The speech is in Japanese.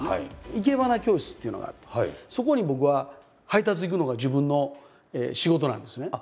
生け花教室っていうのがあってそこに僕は配達行くのが自分の仕事なんですね。